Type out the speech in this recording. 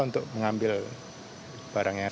untuk mengambil barangnya